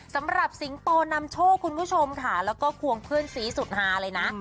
สำหรับสิงโตนำโชว์คุณผู้ชมค่ะแล้วก็ควงพื้นศรีสุดหาเลยนะ